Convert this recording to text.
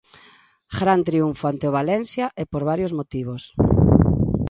Gran triunfo ante o Valencia e por varios motivos.